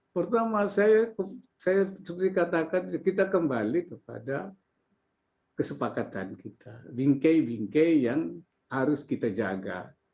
pertama saya seperti katakan kita kembali kepada kesepakatan kita bingkai bingkai yang harus kita jaga